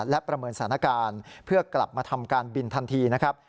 และประเมินสถานการณ์เพื่อกลับมาทำการบินทันทีนะครับ